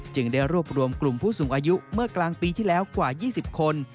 ได้รวบรวมกลุ่มผู้สูงอายุเมื่อกลางปีที่แล้วกว่า๒๐คน